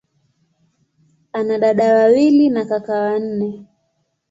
Ana dada wawili na kaka wanne.